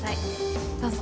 どうぞ。